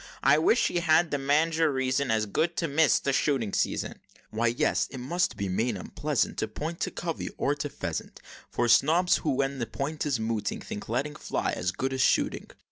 I wish he had the mange, or reason As good, to miss the shooting season!" "Why yes, it must be main upleasant To point to covey, or to pheasant, For snobs, who, when the point is mooting, Think letting fly as good as shooting!"